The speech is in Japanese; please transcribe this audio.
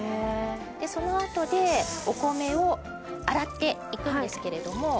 その後でお米を洗っていくんですけれども。